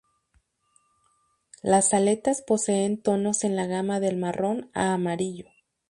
Las aletas poseen tonos en la gama del marrón a amarillo